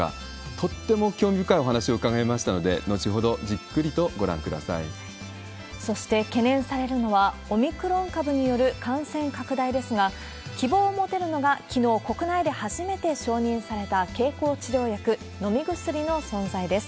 とっても興味深いお話を伺いましたので、そして、懸念されるのはオミクロン株による感染拡大ですが、希望を持てるのが、きのう、国内で初めて承認された経口治療薬、飲み薬の存在です。